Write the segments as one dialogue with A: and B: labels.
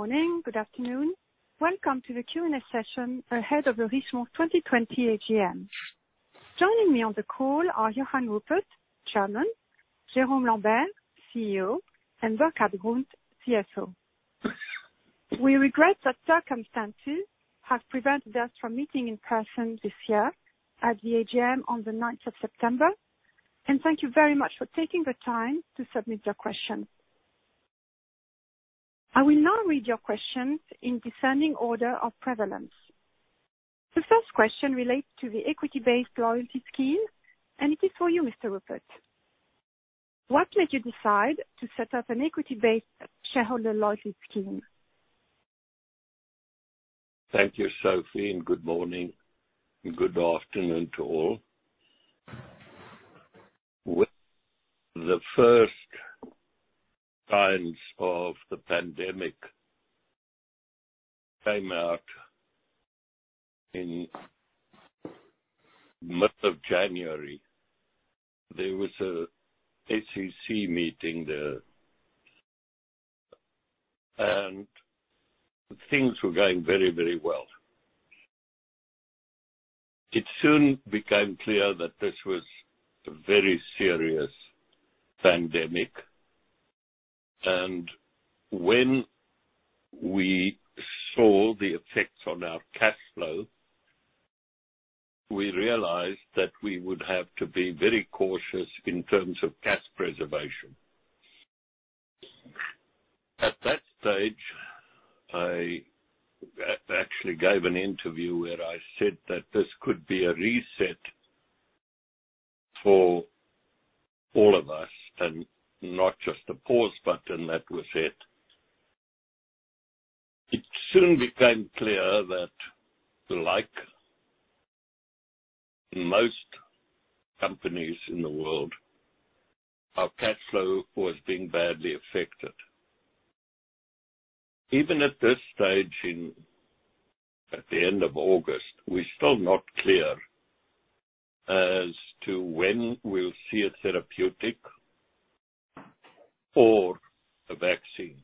A: Good morning. Good afternoon. Welcome to the Q&A session ahead of the Richemont 2020 AGM. Joining me on the call are Johann Rupert, Chairman, Jérôme Lambert, CEO, and Burkhart Grund, CFO. We regret that circumstances have prevented us from meeting in person this year at the AGM on the 9th of September, and thank you very much for taking the time to submit your questions. I will now read your questions in descending order of prevalence. The first question relates to the equity-based loyalty scheme, and it is for you, Mr. Rupert. What made you decide to set up an equity-based shareholder loyalty scheme?
B: Thank you, Sophie, and good morning and good afternoon to all. When the first signs of the pandemic came out in mid of January, there was a ACC meeting there, and things were going very, very well. It soon became clear that this was a very serious pandemic, and when we saw the effects on our cash flow, we realized that we would have to be very cautious in terms of cash preservation. At that stage, I actually gave an interview where I said that this could be a reset for all of us and not just a pause button that was hit. It soon became clear that like most companies in the world, our cash flow was being badly affected. Even at this stage at the end of August, we are still not clear as to when we will see a therapeutic or a vaccine.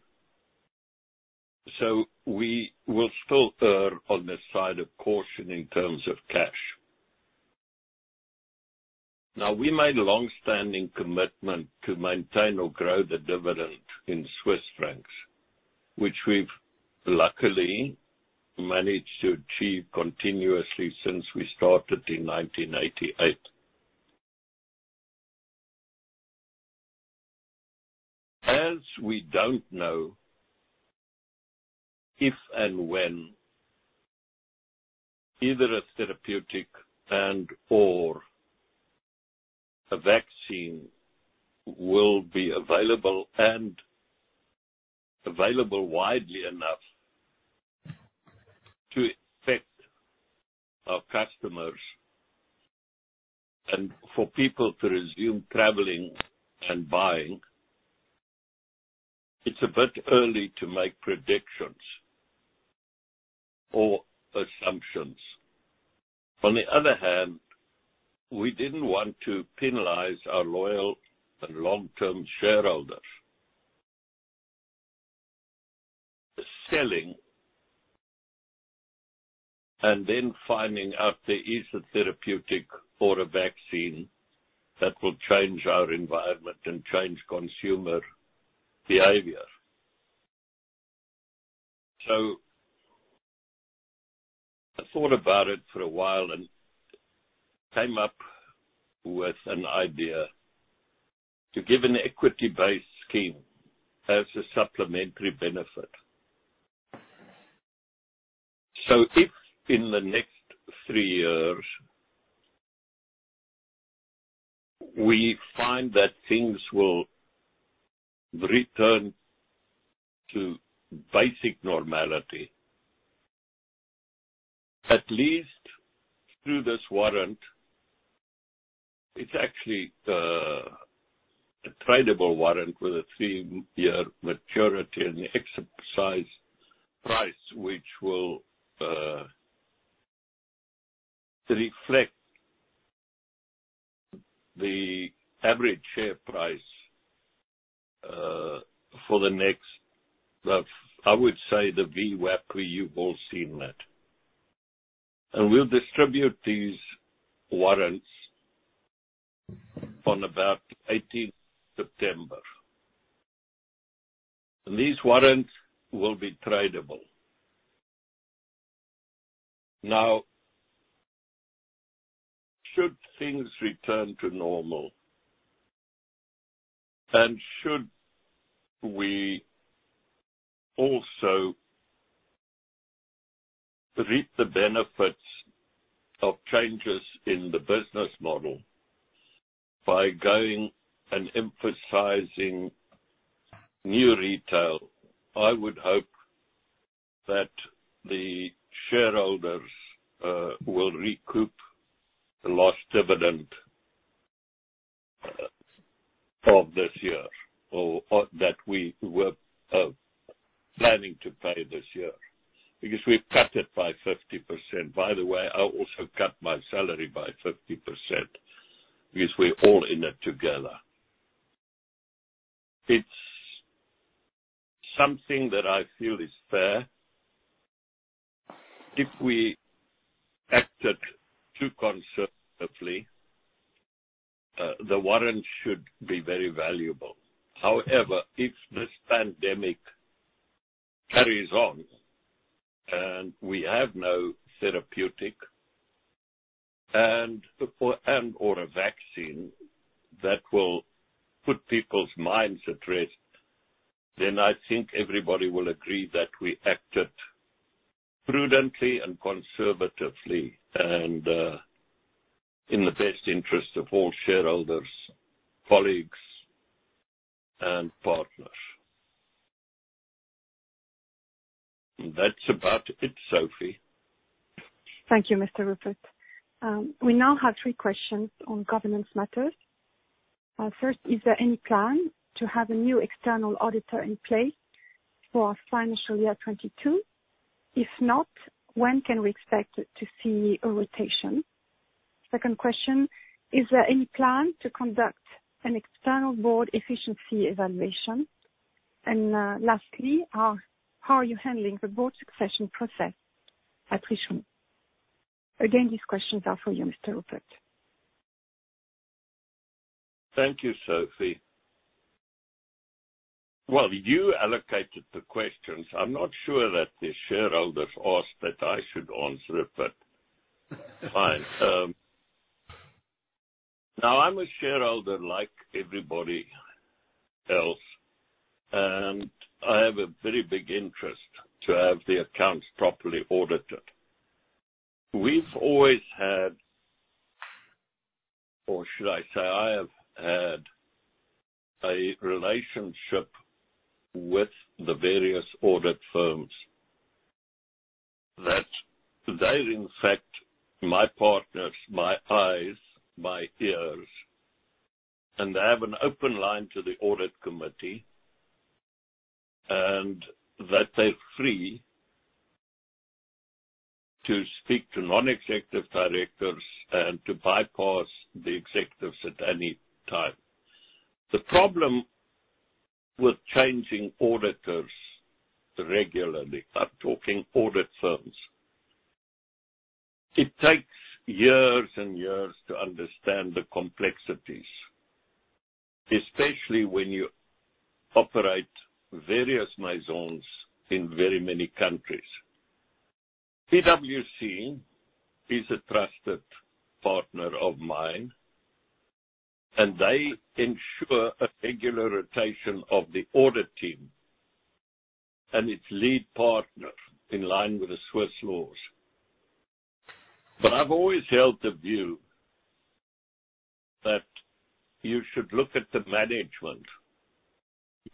B: We will still err on the side of caution in terms of cash. We made a longstanding commitment to maintain or grow the dividend in Swiss francs, which we've luckily managed to achieve continuously since we started in 1988. As we don't know if and when either a therapeutic and/or a vaccine will be available and available widely enough to affect our customers and for people to resume traveling and buying. It's a bit early to make predictions or assumptions. On the other hand, we didn't want to penalize our loyal and long-term shareholders, selling and then finding out there is a therapeutic or a vaccine that will change our environment and change consumer behavior. I thought about it for a while and came up with an idea to give an equity-based scheme as a supplementary benefit. If in the next three years, we find that things will return to basic normality, at least through this warrant. It's actually a tradable warrant with a three-year maturity and the exercise price, which will reflect the average share price, for the next, I would say, the VWAP, you've all seen that. We'll distribute these warrants on about 18th September. These warrants will be tradable. Should things return to normal, and should we also reap the benefits of changes in the business model by going and emphasizing New Retail, I would hope that the shareholders will recoup the lost dividend of this year, or that we were planning to pay this year. We've cut it by 50%. By the way, I also cut my salary by 50%. Because we're all in it together. It's something that I feel is fair. If we acted too conservatively, the warrant should be very valuable. If this pandemic carries on and we have no therapeutic and/or a vaccine that will put people's minds at rest, then I think everybody will agree that we acted prudently and conservatively and in the best interest of all shareholders, colleagues, and partners. That's about it, Sophie.
A: Thank you, Mr. Rupert. We now have three questions on governance matters. First, is there any plan to have a new external auditor in place for our financial year 2022? If not, when can we expect to see a rotation? Second question, is there any plan to conduct an external board efficiency evaluation? Lastly, how are you handling the board succession process at Richemont? Again, these questions are for you, Mr. Rupert.
B: Thank you, Sophie. Well, you allocated the questions. I'm not sure that the shareholders asked that I should answer it, but fine. Now, I'm a shareholder like everybody else, and I have a very big interest to have the accounts properly audited. We've always had, or should I say, I have had a relationship with the various audit firms. That they're in fact my partners, my eyes, my ears, and they have an open line to the audit committee, and that they're free to speak to non-executive directors and to bypass the executives at any time. The problem with changing auditors regularly, I'm talking audit firms, it takes years and years to understand the complexities, especially when you operate various Maisons in very many countries. PwC is a trusted partner of mine, they ensure a regular rotation of the audit team and its lead partner in line with the Swiss laws. I've always held the view that you should look at the management.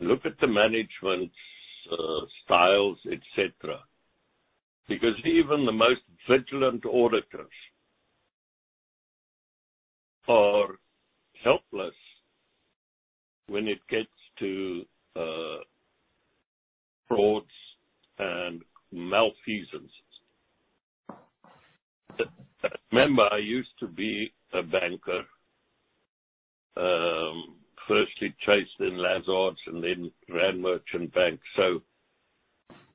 B: Look at the management's styles, et cetera, because even the most vigilant auditors are helpless when it gets to frauds and malfeasances. Remember, I used to be a banker, firstly Chase then Lazard and then Rand Merchant Bank.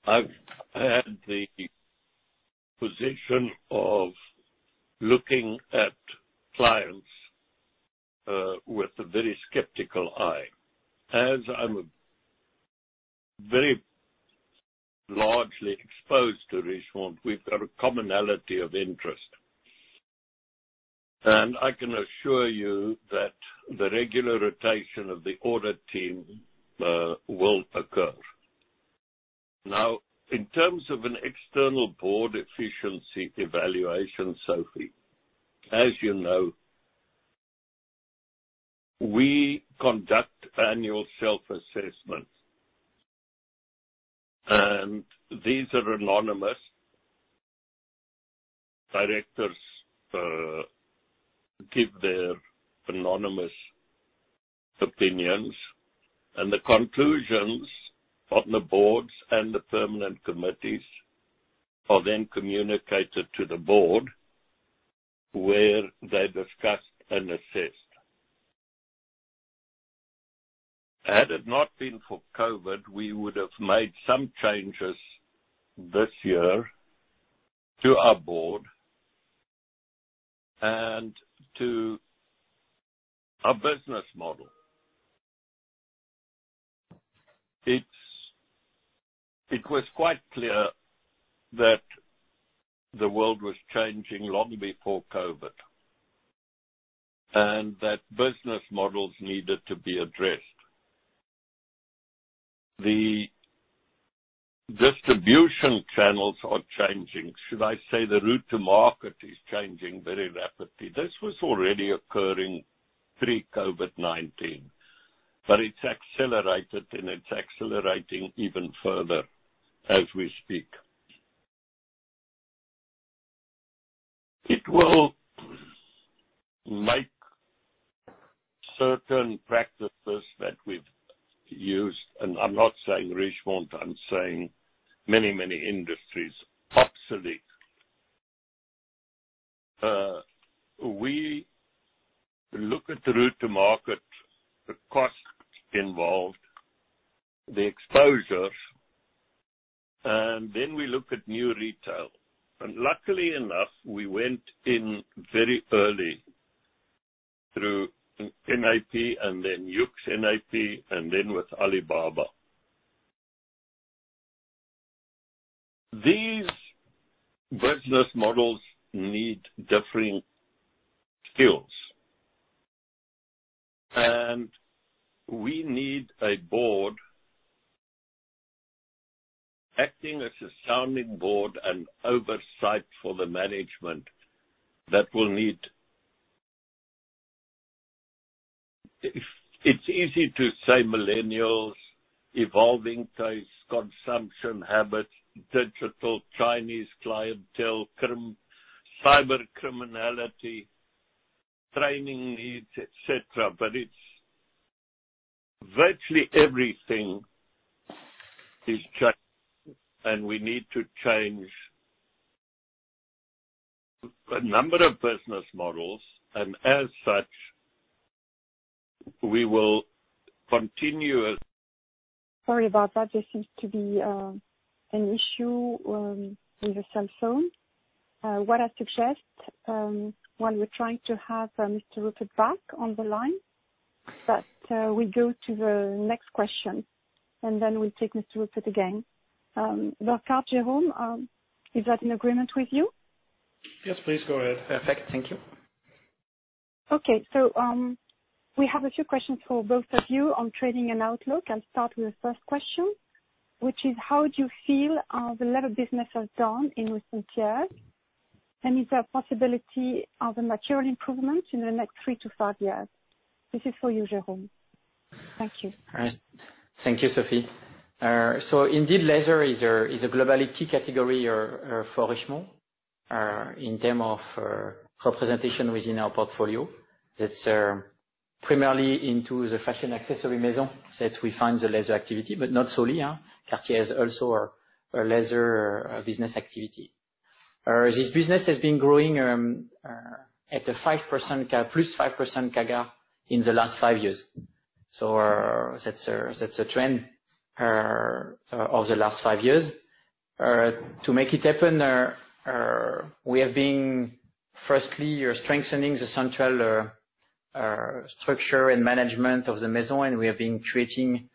B: I've had the position of looking at clients with a very skeptical eye. As I'm very largely exposed to Richemont, we've got a commonality of interest. I can assure you that the regular rotation of the audit team will occur. In terms of an external board efficiency evaluation, Sophie, as you know, we conduct annual self-assessments. These are anonymous. Directors give their anonymous opinions, and the conclusions from the boards and the permanent committees are then communicated to the board, where they're discussed and assessed. Had it not been for COVID, we would have made some changes this year to our board and to our business model. It was quite clear that the world was changing long before COVID, and that business models needed to be addressed. The distribution channels are changing. Should I say, the route to market is changing very rapidly. This was already occurring pre-COVID-19, but it's accelerated, and it's accelerating even further as we speak. It will make certain practices that we've used, and I'm not saying Richemont, I'm saying many, many industries, obsolete. We look at the route to market, the cost involved, the exposure, and then we look at New Retail. Luckily enough, we went in very early through NAP, and then YOOX NAP, and then with Alibaba. These business models need differing skills. We need a board acting as a sounding board and oversight for the management that we'll need. It's easy to say millennials, evolving tastes, consumption habits, digital Chinese clientele, cyber criminality, training needs, et cetera. Virtually everything is changing. We need to change a number of business models. As such, we will continue.
A: Sorry about that. There seems to be an issue with the cell phone. What I suggest, while we're trying to have Mr. Rupert back on the line, that we go to the next question, and then we'll take Mr. Rupert again. Burkhart, Jérôme, is that in agreement with you?
C: Yes, please go ahead.
D: Perfect. Thank you.
A: Okay. We have a few questions for both of you on trading and outlook. I'll start with the first question, which is: how do you feel the leather business has done in recent years, and is there a possibility of a material improvement in the next three to five years? This is for you, Jérôme. Thank you.
D: All right. Thank you, Sophie. Indeed, leather is a globally key category for Richemont in term of representation within our portfolio. That's primarily into the Fashion and Accessories Maison that we find the leather activity, but not solely. Cartier has also a leather business activity. This business has been growing at a +5% CAGR in the last five years. That's a trend of the last five years. To make it happen, we have been firstly strengthening the central structure and management of the Maison, and we have been creating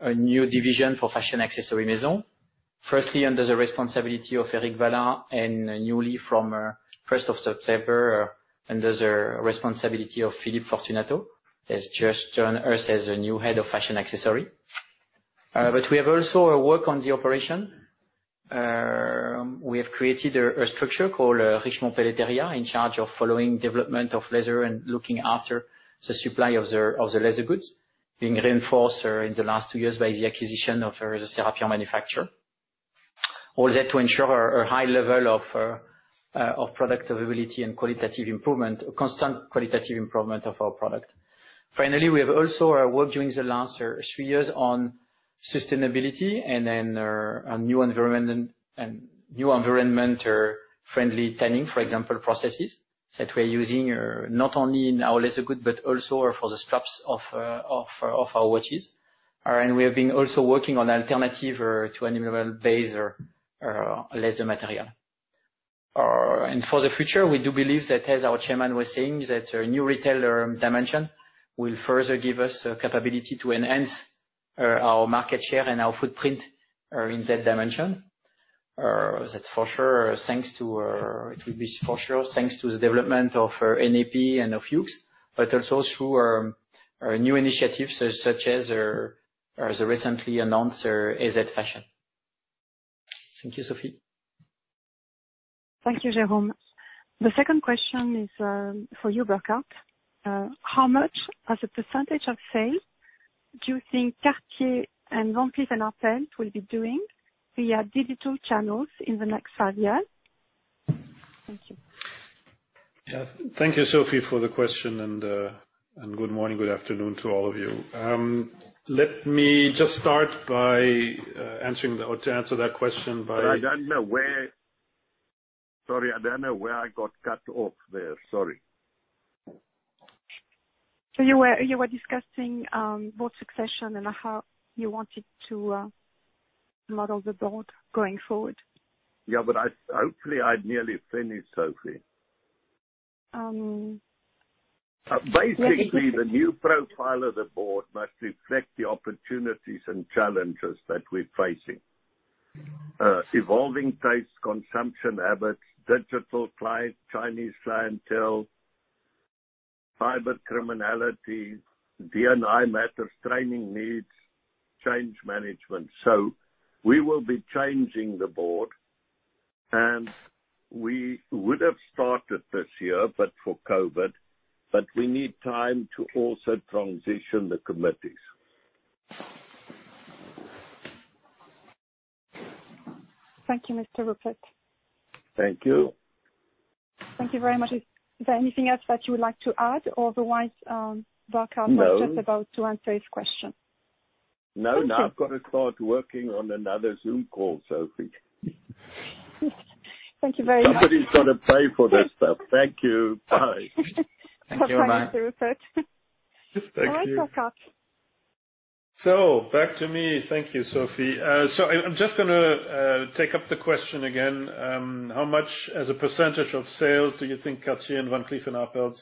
D: a new division for Fashion and Accessories Maison. Firstly under the responsibility of Eric Vallat, and newly from 1st of September, under the responsibility of Philippe Fortunato, who has just joined us as the new Head of Fashion and Accessories. We have also worked on the operation. We have created a structure called Richemont Pelletteria, in charge of following development of leather and looking after the supply of the leather goods. Being reinforced in the last two years by the acquisition of the Serapian manufacturer. All that to ensure a high level of product availability and qualitative improvement, constant qualitative improvement of our product. Finally, we have also worked during the last three years on sustainability and then on new environment-friendly tanning, for example, processes that we're using not only in our leather good, but also for the straps of our watches. We have been also working on alternative to animal-based leather material. For the future, we do believe that, as our Chairman was saying, that New Retail dimension will further give us capability to enhance our market share and our footprint in that dimension. It will be for sure thanks to the development of NAP and of YOOX, but also through our new initiatives such as the recently announced AZ Factory. Thank you, Sophie.
A: Thank you, Jérôme. The second question is for you, Burkhart. How much as a percentage of sale do you think Cartier and Van Cleef & Arpels will be doing via digital channels in the next five years? Thank you.
C: Yes. Thank you, Sophie, for the question, and good morning, good afternoon to all of you. Let me just start by answering or to answer that question.
B: Sorry, I don't know where I got cut off there. Sorry.
A: You were discussing board succession and how you wanted to model the board going forward.
B: Yeah, hopefully I'd nearly finished, Sophie. The new profile of the board must reflect the opportunities and challenges that we're facing: evolving tastes, consumption habits, digital Chinese clientele, cyber criminality, D&I matters, training needs, change management. We will be changing the board, and we would have started this year, but for COVID. We need time to also transition the committees.
A: Thank you, Mr. Rupert.
B: Thank you.
A: Thank you very much. Is there anything else that you would like to add? Otherwise Burkhart was just about to answer his question.
B: No, now I've got to start working on another Zoom call, Sophie.
A: Thank you very much.
B: Somebody's got to pay for this stuff. Thank you. Bye.
A: Thank you, Mr. Rupert. All right, Burkhart.
C: Back to me. Thank you, Sophie. I'm just going to take up the question again. How much as a percentage of sales do you think Cartier and Van Cleef & Arpels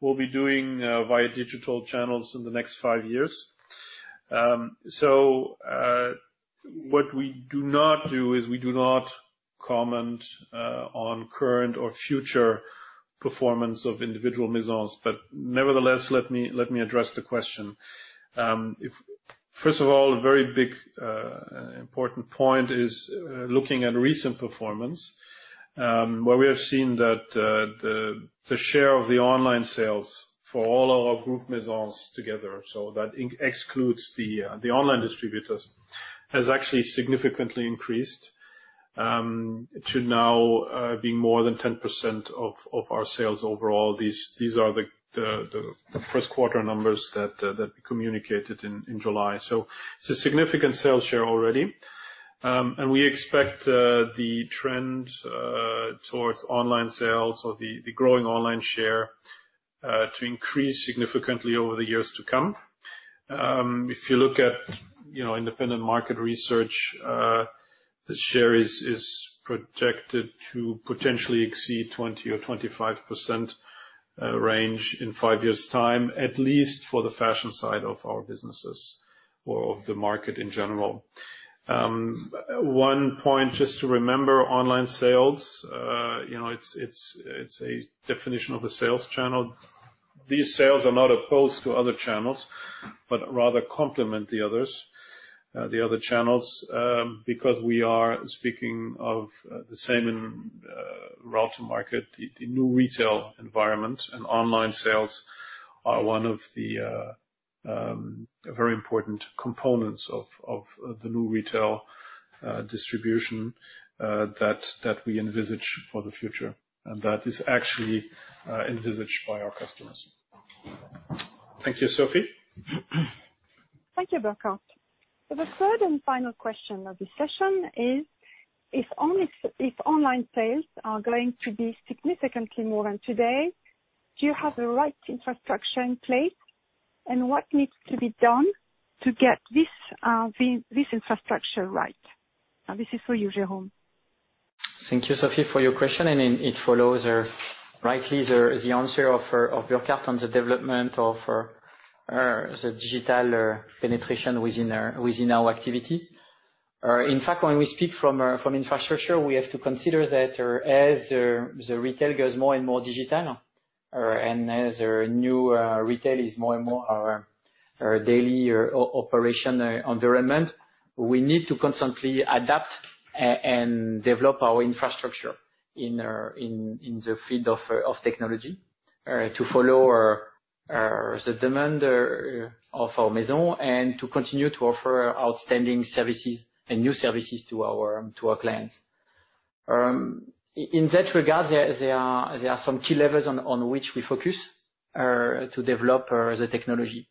C: will be doing via digital channels in the next five years? What we do not do is we do not comment on current or future performance of individual Maisons. Nevertheless, let me address the question. First of all, a very big important point is looking at recent performance, where we have seen that the share of the online sales for all our group Maisons together, so that excludes the online distributors, has actually significantly increased to now being more than 10% of our sales overall. These are the first quarter numbers that we communicated in July. It's a significant sales share already. We expect the trend towards online sales or the growing online share to increase significantly over the years to come. If you look at independent market research, the share is projected to potentially exceed 20% or 25% range in five years time, at least for the fashion side of our businesses or of the market in general. One point just to remember, online sales it's a definition of a sales channel. These sales are not opposed to other channels, but rather complement the other channels, because we are speaking of the same route to market. The New Retail environment and online sales are one of the very important components of the New Retail distribution that we envisage for the future. That is actually envisaged by our customers. Thank you, Sophie.
A: Thank you, Burkhart. The third and final question of this session is: If online sales are going to be significantly more than today, do you have the right infrastructure in place? What needs to be done to get this infrastructure right? This is for you, Jérôme.
D: Thank you, Sophie, for your question. It follows rightly the answer of Burkhart on the development of the digital penetration within our activity. In fact, when we speak from infrastructure, we have to consider that as the retail goes more and more digital and as New Retail is more and more our daily operation environment, we need to constantly adapt and develop our infrastructure in the field of technology to follow the demand of our Maison and to continue to offer outstanding services and new services to our clients. In that regard, there are some key levels on which we focus to develop the technology.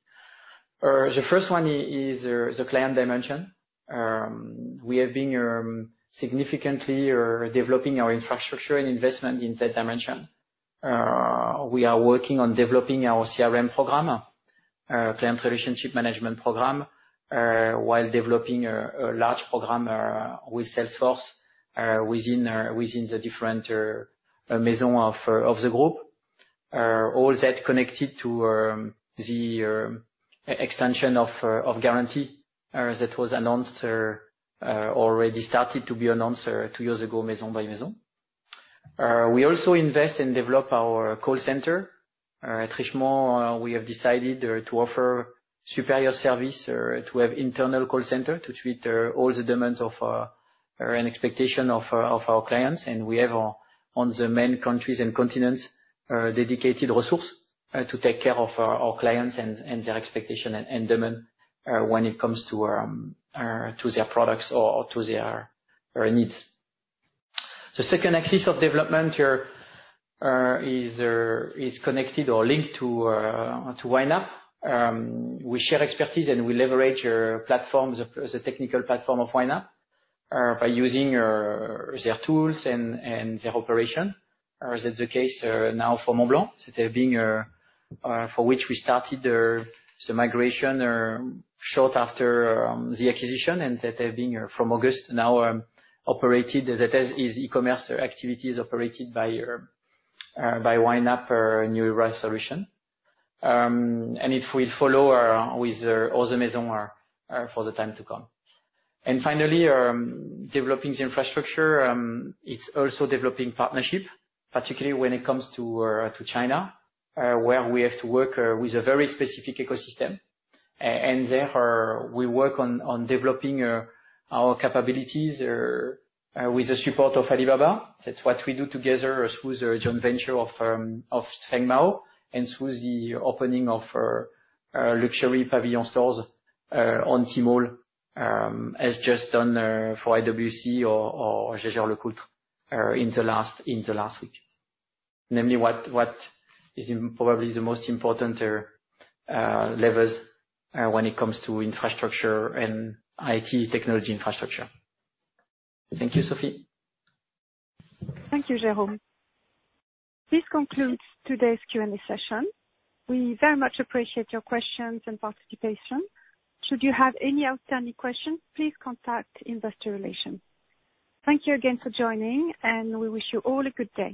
D: The first one is the client dimension. We have been significantly developing our infrastructure and investment in that dimension. We are working on developing our CRM program, client relationship management program, while developing a large program with Salesforce within the different Maison of the group. All that connected to the extension of guarantee that was announced or already started to be announced two years ago, Maison by Maison. We also invest and develop our call center. At Richemont, we have decided to offer superior service to have internal call center to treat all the demands of our, and expectation of our clients. We have on the main countries and continents, dedicated resource to take care of our clients and their expectation and demand when it comes to their products or to their needs. The second axis of development is connected or linked to YNAP. We share expertise and we leverage platforms, the technical platform of YNAP by using their tools and their operation. That's the case now for Montblanc, for which we started the migration short after the acquisition and that have been from August now operated that is e-commerce activities operated by YNAP new solution. It will follow with all the Maison for the time to come. Finally, developing the infrastructure, it's also developing partnership, particularly when it comes to China, where we have to work with a very specific ecosystem. Therefore, we work on developing our capabilities with the support of Alibaba. That's what we do together through the joint venture of Feng Mao and through the opening of Luxury Pavilion stores on Tmall, as just done for IWC or Jaeger-LeCoultre in the last week. Namely what is probably the most important levers when it comes to infrastructure and IT technology infrastructure. Thank you, Sophie.
A: Thank you, Jérôme. This concludes today's Q&A session. We very much appreciate your questions and participation. Should you have any outstanding questions, please contact investor relations. Thank you again for joining, and we wish you all a good day.